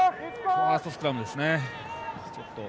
ファーストスクラムですね。